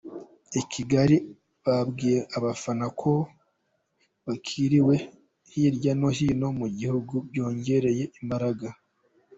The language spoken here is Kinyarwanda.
I Kigali babwiye abafana ko uko bakiriwe hirya no hino mu gihugu byabongereye imbaraga.